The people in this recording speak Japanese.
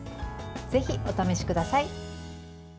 ぜひお試しください。